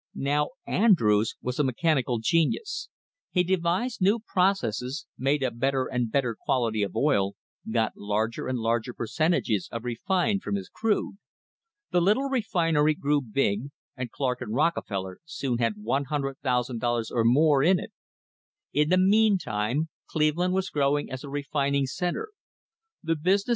Now Andrews was a mechanical genius. He devised new processes made a better and better quality of oil, got larger and largei percentages of refined from his crude. The little refinery gre\A big, and Clark and Rockefeller soon had $100,000 or more ir it. In the meantime Cleveland was growing as a refining THE RISE OF THE STANDARD OIL COMPANY centre.